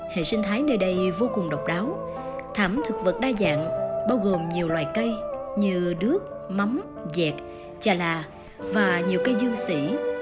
hệ sinh thái nơi đây vô cùng độc đáo thảm thực vật đa dạng bao gồm nhiều loài cây như đước mắm dẹt chà là và nhiều cây dương sỉ